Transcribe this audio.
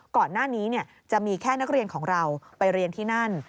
ก่อนหน้านี้จะมีแค่นักเรียนของเราไปเรียนที่นั่น